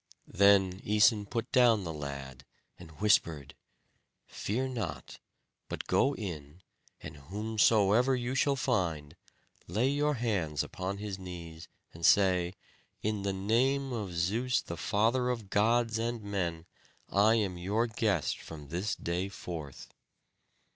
Then Æson put down the lad, and whispered: "Fear not, but go in, and whomsoever you shall find, lay your hands upon his knees, and say, 'In the name of Zeus the father of gods and men, I am your guest from this day forth.'"